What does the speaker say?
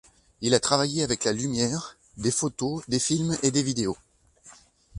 Il a travaillé avec la lumière, des photos, des films et des vidéos.